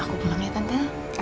aku pulang ya tante